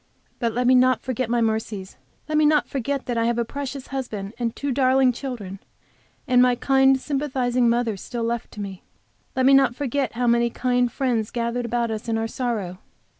But let me not forget my mercies. Let me not forget that I have a precious husband and two darling children, and my kind, sympathizing mother left to me. Let me not forget how many kind friends gathered about us in our sorrow.